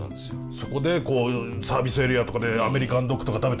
そこでこういうサービスエリアとかでアメリカンドッグとか食べて。